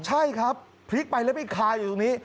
ใช่ครับพลิกไปแล้วไปคาอยู่ตรงนี้